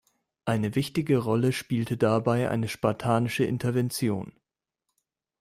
Eine wichtige Rolle spielte dabei eine spartanische Intervention.